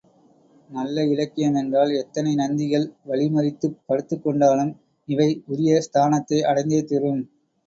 நல்ல இலக்கியமென்றால், எத்தனை நந்திகள் வழிமறித்துப் படுத்துக்கொண்டாலும் இவை உரிய ஸ்தானத்தை அடைந்தே தீரும்.